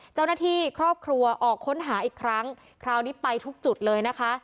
เจ้าหน้าที่ครอบครัวออกค้นหาอีกครั้งคราวนี้ไปทุกจุดเลยนะคะ